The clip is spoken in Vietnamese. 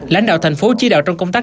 lãnh đạo thành phố chí đạo trong công tác